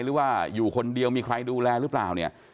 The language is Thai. หรือว่าอยู่คนเดียวมีใครดูแลหรือเปล่าเนี่ย